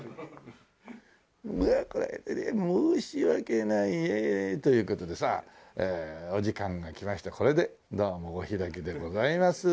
ああ申し訳ないねという事でさあお時間が来ましてこれでどうもお開きでございます。